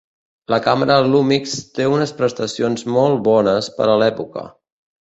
La càmera Lumix té unes prestacions molt bones per a l'època.